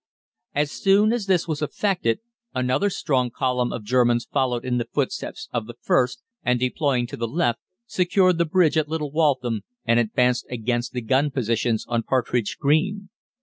"As soon as this was effected another strong column of Germans followed in the footsteps of the first, and deploying to the left, secured the bridge at Little Waltham, and advanced against the gun positions on Partridge Green.